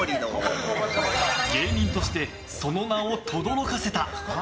芸人としてその名をとどろかせた。